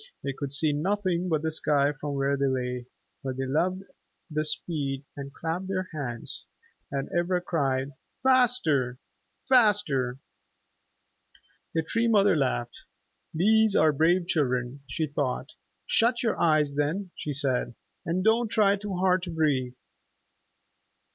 They could see nothing but the sky from where they lay, but they loved the speed, and clapped their hands, and Ivra cried, "Faster, faster!" The Tree Mother laughed. "These are brave children," she thought. "Shut your eyes then," she said, "and don't try too hard to breathe."